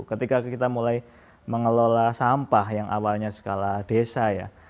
ketika kita mulai mengelola sampah yang awalnya skala desa ya